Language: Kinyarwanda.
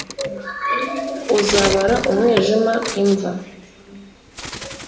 uzabara umwijima imva